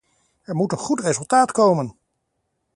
Er moet een goed resultaat komen!